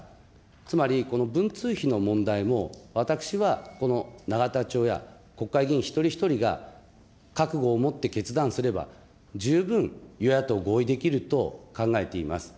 つまりこの文通費の問題も、私はこの永田町や国会議員一人一人が覚悟を持って決断すれば、十分与野党合意できると考えています。